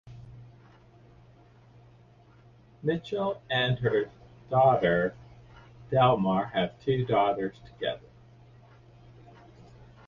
Mitchell and her husband Delmar have two daughters together.